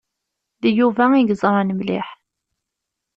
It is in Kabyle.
D Yuba i yeẓṛan mliḥ.